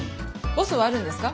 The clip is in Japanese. ボスはあるんですか？